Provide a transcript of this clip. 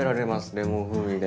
レモン風味で。